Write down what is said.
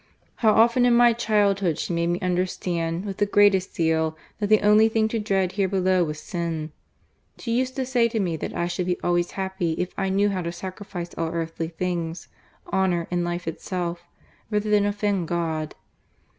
How often in my childhood she made me understand, with the greatest zeal, that the only thing to dread here below was sin ! She used to say to me that I should be always happy if I knew how to sacrifice all earthly things, honour, and life itself, rather than offend God.